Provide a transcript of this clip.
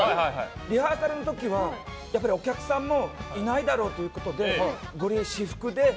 リハーサルの時は、やっぱりお客さんもいないだろうということでゴリエ、私服で。